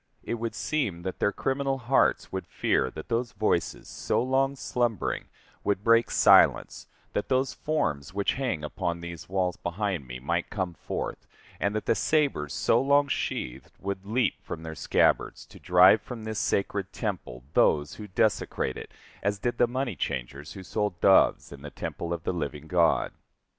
It would seem that their criminal hearts would fear that those voices, so long slumbering, would break silence, that those forms which hang upon these walls behind me might come forth, and that the sabers so long sheathed would leap from their scabbards to drive from this sacred temple those who desecrate it as did the money changers who sold doves in the temple of the living God.